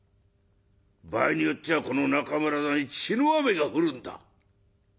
場合によっちゃこの中村座に血の雨が降るんだ。